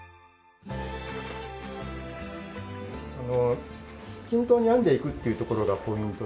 あの均等に編んでいくっていうところがポイントで。